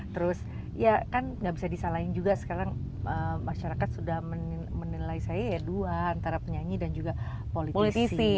terus ya kan nggak bisa disalahin juga sekarang masyarakat sudah menilai saya ya dua antara penyanyi dan juga politisi